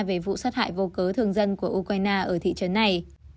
về vụ sát hại vô cớ thường dân của ukraine ở thị trấn này